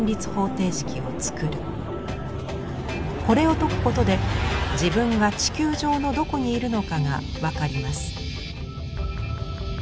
これを解くことで自分が地球上のどこにいるのかがわかります。